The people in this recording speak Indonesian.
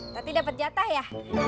tati dapat jatah ya